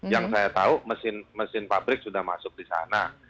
yang saya tahu mesin pabrik sudah masuk di sana